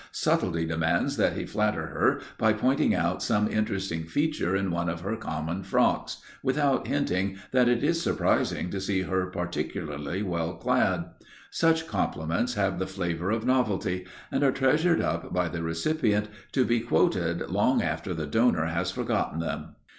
Subtilty demands that he flatter her by pointing out some interesting feature in one of her common frocks, without hinting that it is surprising to see her particularly well clad. Such compliments have the flavour of novelty, and are treasured up by the recipient, to be quoted long after the donor has forgotten them.